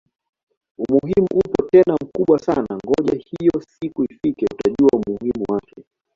Umuhimu upo tena mkubwa sana ngoja hiyo siku ifike utajua umuhimu wake